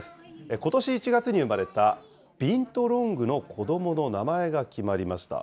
ことし１月に生まれたビントロングの子どもの名前が決まりました。